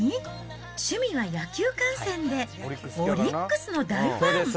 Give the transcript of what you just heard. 趣味は野球観戦で、オリックスの大ファン。